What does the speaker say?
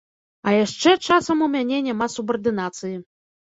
А яшчэ часам у мяне няма субардынацыі.